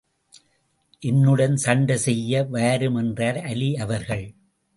என்னுடன் சண்டை செய்ய வாரும் என்றார் அலி அவர்கள்.